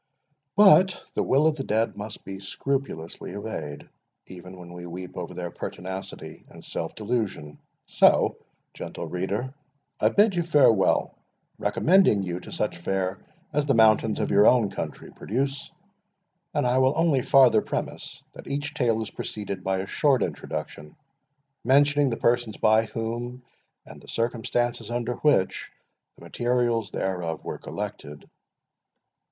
But the will of the dead must be scrupulously obeyed, even when we weep over their pertinacity and self delusion. So, gentle reader, I bid you farewell, recommending you to such fare as the mountains of your own country produce; and I will only farther premise, that each Tale is preceded by a short introduction, mentioning the persons by whom, and the circumstances under which, the materials thereof were collected.